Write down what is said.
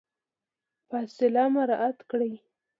فاصله مراعات کړئ.